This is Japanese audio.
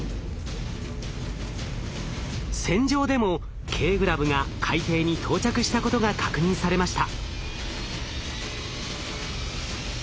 船上でもＫグラブが海底に到着したことが確認されました。